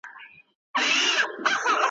په وطن کي چی نېستي سي د پوهانو `